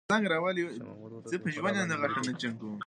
شاه محمود هوتک پر فراه باندې بريد وکړ.